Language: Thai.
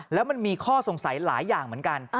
แล้วมันมีข้อสงสัยหลายอย่างเหมือนกัน